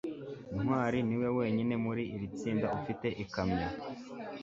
ntwali niwe wenyine muri iri tsinda ufite ikamyo